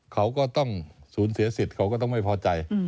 เขาก็ต้องสูญเสียสิทธิ์เขาก็ต้องไม่พอใจ